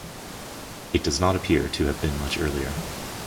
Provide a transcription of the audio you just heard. It does not appear to have been much earlier.